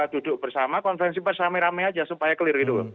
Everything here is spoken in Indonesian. duduk bersama konfrensif pers sama sama rame aja supaya clear gitu